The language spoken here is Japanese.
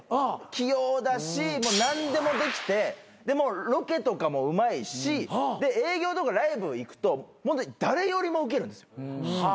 器用だし何でもできてロケとかもうまいしで営業とかライブ行くと誰よりもウケるんですよ。